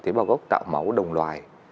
tế bào gốc tạo máu đồng loài